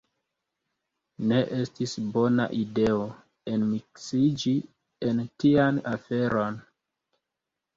Ne estis bona ideo enmiksiĝi en tian aferon.